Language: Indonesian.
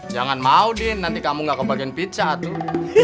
jangan mau din nanti kamu gak kebagian pizza tuh